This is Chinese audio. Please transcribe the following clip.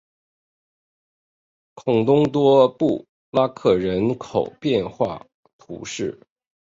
孔东多布拉克人口变化图示